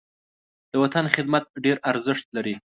د وطن خدمت ډېر ارزښت لري.